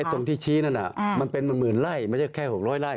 และตรงที่ชี้นั่นมันเป็นหมื่นล่ายไม่ใช่แค่๖๐๐ล่าย